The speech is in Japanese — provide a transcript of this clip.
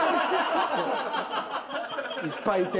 いっぱいいて。